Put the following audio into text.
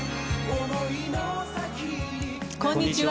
こんにちは。